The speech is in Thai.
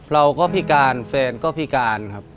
เราก็พิการแฟนก็พิการครับ